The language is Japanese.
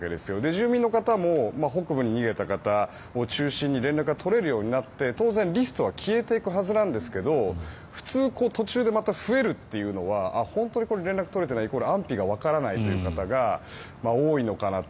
住民の方も北部に逃げた方を中心に連絡が取れるようになって当然、リストは消えていくはずなんですが普通、途中でまた増えるというのは本当にこれ連絡が取れていないイコール安否がわからないという方が多いのかなと。